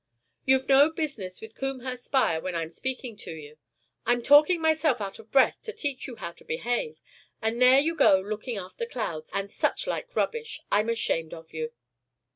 "You've no business with Combehurst spire when I'm speaking to you. I'm talking myself out of breath to teach you how to behave, and there you go looking after clouds, and such like rubbish. I'm ashamed of you."